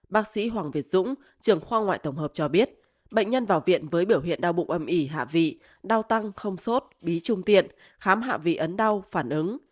bác sĩ hoàng việt dũng trường khoa ngoại tổng hợp cho biết bệnh nhân vào viện với biểu hiện đau bụng âm ỉ hạ vị đau tăng không sốt bí trung tiện khám hạ vị ấn đau phản ứng